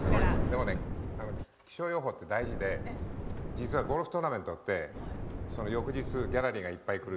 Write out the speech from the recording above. でもね、気象予報って大事で実はゴルフトーナメントって翌日、ギャラリーがいっぱい来る。